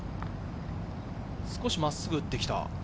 少し真っすぐ打ってきた。